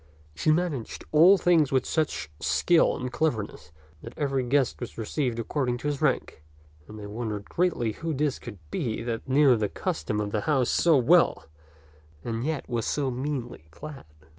She managed all things with such skill and cleverness that every guest was received according to his rank, and they wondered greatly who this could be that knew the custom of the house so well and yet was so meanly clad.